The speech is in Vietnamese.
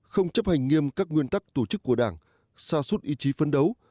không chấp hành nghiêm các nguyên tắc tổ chức của đảng xa suốt ý chí phấn đấu